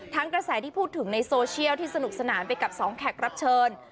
กระแสที่พูดถึงในโซเชียลที่สนุกสนานไปกับสองแขกรับเชิญ